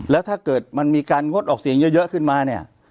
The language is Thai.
แล้วถ้าเกิดมันมีการงดออกเสียงเยอะขึ้นมาเนี่ย